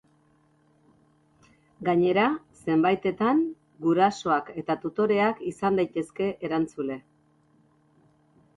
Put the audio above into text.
Gainera, zenbaitetan gurasoak edo tutoreak izan daitezke erantzule.